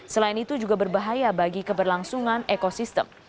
selain itu juga berbahaya bagi keberlangsungan ekosistem